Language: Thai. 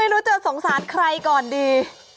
ไม่รู้จะสงสารใครก่อนดี